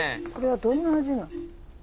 これはどんな味なん？